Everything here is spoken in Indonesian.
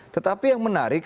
tetapi yang menarik